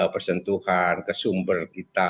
persentuhan kesumber kita